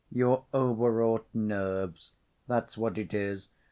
your overwrought nerves, that's what it is.